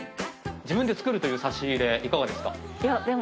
自分で作るという差し入れいかがですか？